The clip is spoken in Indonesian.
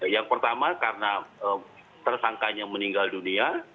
yang pertama karena tersangkanya meninggal dunia